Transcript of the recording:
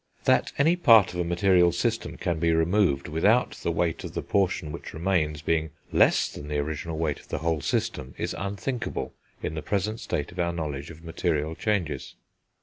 That any part of a material system can be removed without the weight of the portion which remains being less than the original weight of the whole system, is unthinkable, in the present state of our knowledge of material changes.